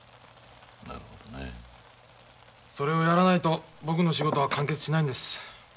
なるほどね。それをやらないと僕の仕事は完結しないんです。